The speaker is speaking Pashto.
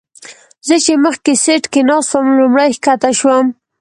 زه چې مخکې سیټ کې ناست وم لومړی ښکته شوم.